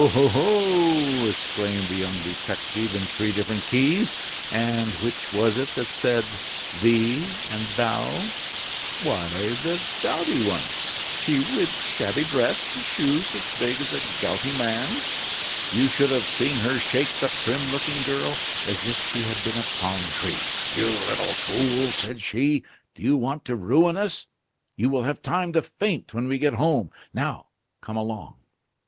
oh! oh!" exclaimed the young detective, in three different keys. "And which was it that said 'thee' and 'thou'?" "Why, the dowdy one. She with shabby dress and shoes as big as a gouty man's. You should have seen her shake the prim looking girl, as if she had been a plum tree. 'You little fool!' said she, 'do you want to ruin us? You will have time to faint when we get home; now come along.